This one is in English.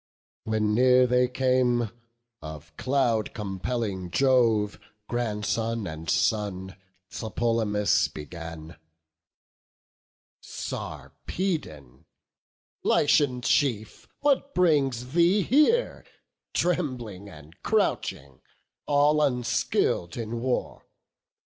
When near they came, of cloud compelling Jove Grandson and son, Tlepolemus began: "Sarpedon, Lycian chief, what brings thee here, Trembling and crouching, all unskill'd in war?